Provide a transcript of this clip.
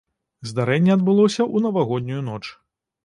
Здарэнне адбылося ў навагоднюю ноч.